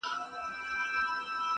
• تمدن او تاریخي افتخاراتو مرکز -